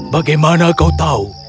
bagaimana kau tahu